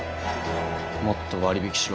もっと割引しろ。